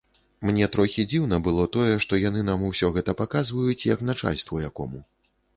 Мне трохі дзіўна было тое, што яны нам усё гэта паказваюць, як начальству якому.